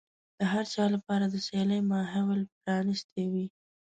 د هر چا لپاره د سيالۍ ماحول پرانيستی وي.